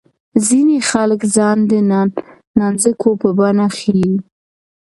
ځینې خلک ځان د نانځکو په بڼه ښيي.